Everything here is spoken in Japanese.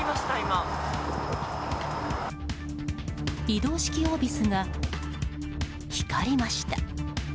移動式オービスが光りました。